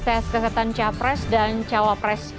tes kesehatan capres dan cawapres